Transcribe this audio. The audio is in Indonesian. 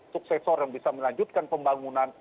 suksesor yang bisa melanjutkan pembangunan